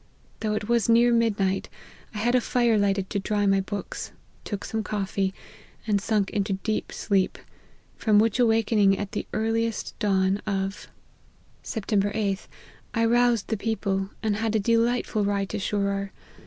Though it was near midnight, I had a fire lighted to dry my books, took some coffee, and sunk into deep sleep ; from which awaking at the earliest dawn of " Sept. 8th. I roused the people, and had a delightful ride to Shurror.